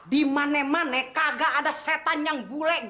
dimane mane gak ada setan yang bule ganteng seperti ini